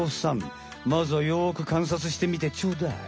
まずはよくかんさつしてみてちょうだい。